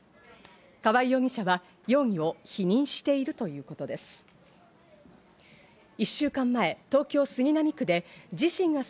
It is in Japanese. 川合容疑者は容疑を否認しているということです。